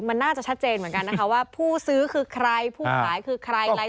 มันน่าจะชัดเจนเหมือนกันนะคะว่าผู้ซื้อคือใครผู้ขายคือใครอะไร